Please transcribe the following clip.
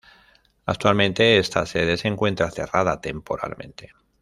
Actualmente esta sede se encuentra cerrada temporalmente.